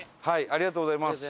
ありがとうございます。